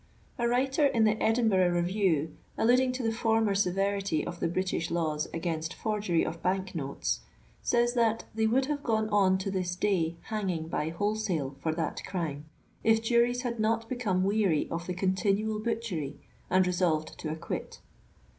A writer in the Edinburgh Review, alluding to the former severity of the British laws against forgery of bank notes, says that *<they would have gone on to this day hanging by whole sale" for that crime, if juries had not become weary of the continual butchery and resolved to acquit."